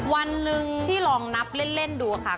วันหนึ่งที่ลองนับเล่นดูค่ะ